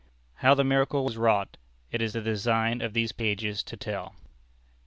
How the miracle was wrought, it is the design of these pages to tell.